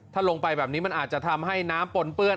ถ้าลงไปแบบนี้มันอาจจะทำให้น้ำปนเปื้อน